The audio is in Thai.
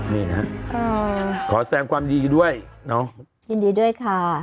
นี่นะฮะขอแสงความดีด้วยเนาะยินดีด้วยค่ะ